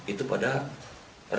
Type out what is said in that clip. itu pada rabu malam